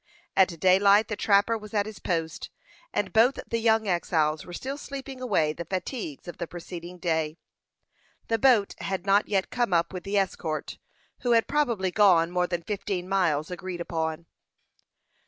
At daylight the trapper was at his post, and both the young exiles were still sleeping away the fatigues of the preceding day. The boat had not yet come up with the escort, who had probably gone more than the fifteen miles agreed upon.